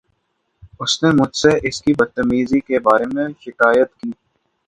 اُس نے مجھ سے اس کی بد تمیزی کے بارے میں شکایت کی۔